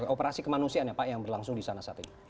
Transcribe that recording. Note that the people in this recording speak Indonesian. operasi kemanusiaan ya pak yang berlangsung di sana saat ini